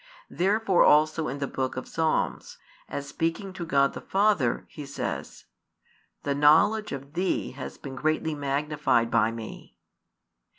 Therefore also in the Book of Psalms, as speaking to God the Father, He says: The knowledge of Thee has been greatly magnified by Me.